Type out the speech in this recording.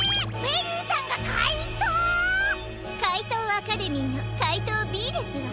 かいとうアカデミーのかいとうＢですわ。